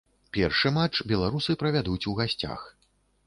Першы матч беларусы правядуць у гасцях.